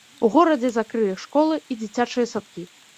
У горадзе закрылі школы і дзіцячыя садкі.